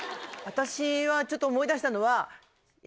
私はちょっと思い出したのは。